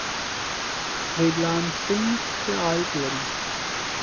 فری لانسینګ ښه عاید لري.